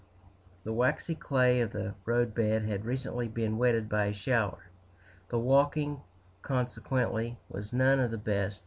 The waxy clay of the roadbed had recently been wetted by a shower; the walking, consequently, was none of the best.